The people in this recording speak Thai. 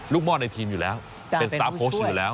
ลูกมอดในทีมอยู่แล้วเป็นสตาร์ทโพสต์อยู่แล้ว